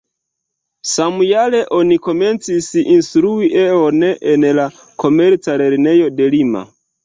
Samjare oni komencis instrui E-on en la Komerca lernejo de Lima.